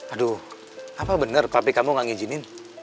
aduh apa bener papi kamu gak ngijinin